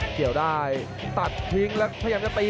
เกี่ยวได้ตัดทิ้งแล้วพยายามจะตี